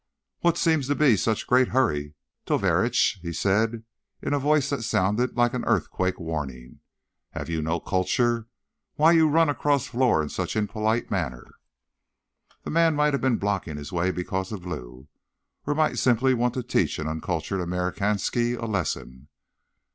"What seems to be such great hurry, Tovarishch?" he said in a voice that sounded like an earthquake warning. "Have you no culture? Why you run across floor in such impolite manner?" The man might have been blocking his way because of Lou, or might simply want to teach an uncultured Amerikanski a lesson.